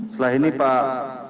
setelah ini pak